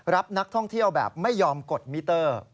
รับนักท่องเที่ยวแบบไม่ยอมกดมิเตอร์